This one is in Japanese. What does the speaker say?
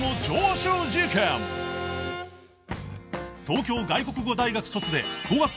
［東京外国語大学卒で］